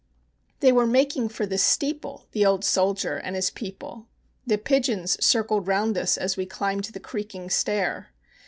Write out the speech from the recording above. They were making for the steeple, the old soldier and his people; The pigeons circled round us as we climbed the creaking stair.